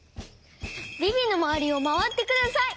ビビのまわりをまわってください！